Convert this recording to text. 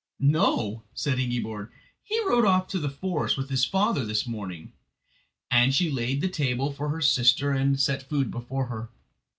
"No," said Ingiborg; "he rode off to the forest with his father this morning." And she laid the table for her sister and set food before her.